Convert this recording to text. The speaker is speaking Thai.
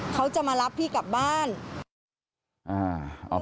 เขาจะมารับพี่กลับบ้าน